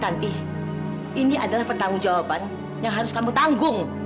nanti ini adalah pertanggung jawaban yang harus kamu tanggung